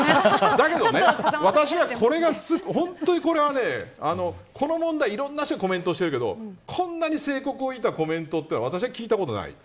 だけど私はこれが本当にこの問題はいろんな人がコメントしてるけどこんなに正鵠を射たコメントは私は聞いたことがない。